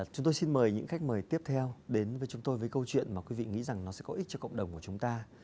chúng tôi xin mời những khách mời tiếp theo đến với chúng tôi với câu chuyện mà quý vị nghĩ rằng nó sẽ có ích cho cộng đồng của chúng ta